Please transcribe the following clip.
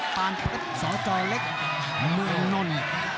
ปานเพชรสจเล็กเมืองนนท์